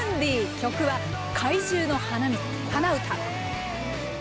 曲は「怪獣の花唄」。